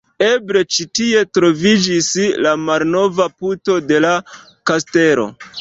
Elbe ĉi tie troviĝis la malnova puto de la kastelo.